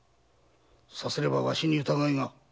さすればわしに疑いが。